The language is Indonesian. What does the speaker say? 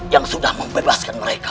yang sudah membebaskan mereka